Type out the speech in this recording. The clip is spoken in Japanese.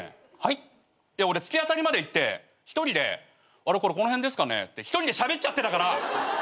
いや俺突き当たりまで行って一人で「この辺ですかね？」って一人でしゃべっちゃってたから。